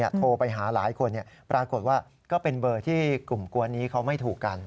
โทรไปหาหลายคนปรากฏว่าก็เป็นเบอร์ที่กลุ่มกวนนี้เขาไม่ถูกกัน